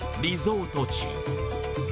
リゾート地